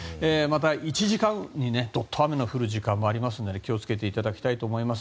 １時間にどっと雨が降ることもありますので気を付けていただきたいと思います。